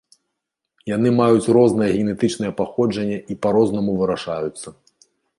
Яны маюць рознае генетычнае паходжанне і па-рознаму вырашаюцца.